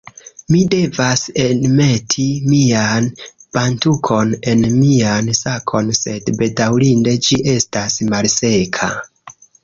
Mi devas enmeti mian bantukon en mian sakon sed bedaŭrinde ĝi estas malseka